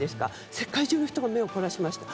世界中の人が目を凝らしました。